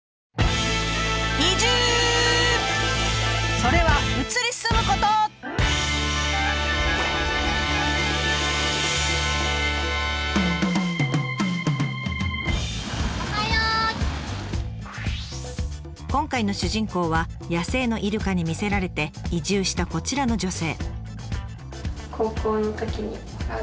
それは今回の主人公は野生のイルカに魅せられて移住したこちらの女性。